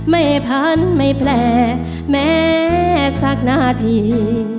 พันไม่แผลแม้สักนาที